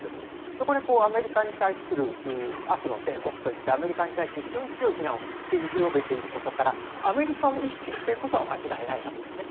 そこでアメリカに対する悪の帝国と言ってアメリカに対して非常に強い非難を繰り広げていることからアメリカを意識していることは間違いないわけですね。